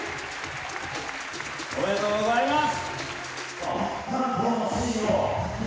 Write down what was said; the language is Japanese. おめでとうございます。